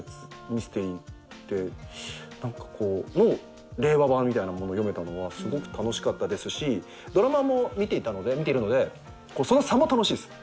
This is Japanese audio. ミステリーの令和版みたいなものを読めたのはすごく楽しかったですしドラマも見ているのでその差も楽しいです。